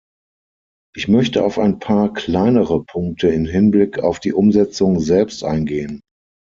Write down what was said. Ich möchte auf ein paar kleinere Punkte in Hinblick auf die Umsetzung selbst eingehen.